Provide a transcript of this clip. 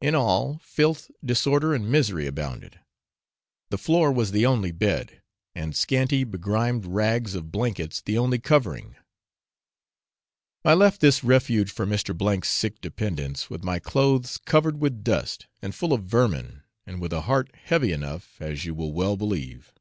In all, filth, disorder and misery abounded; the floor was the only bed, and scanty begrimed rags of blankets the only covering. I left this refuge for Mr. 's sick dependants, with my clothes covered with dust, and full of vermin, and with a heart heavy enough, as you will well believe.